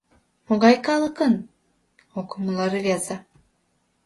— Могай калыкын? — ок умыло рвезе.